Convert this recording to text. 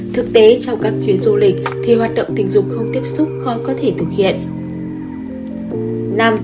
thực tế trong các chuyến du lịch thì hoạt động tình dục không tiếp xúc khó có thể thực hiện